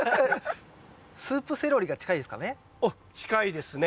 スープセロリが近いですかね。